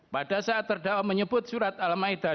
pada saat terdakwa menyebut surat al ma'idah